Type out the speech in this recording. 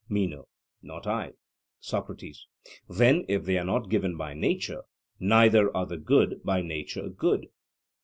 MENO: Not I.) SOCRATES: Then if they are not given by nature, neither are the good by nature good?